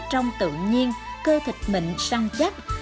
trong tự nhiên cơ thịt mịn săn chắc